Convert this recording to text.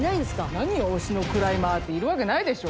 何よ「推しのクライマー」っているわけないでしょ。